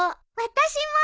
私も。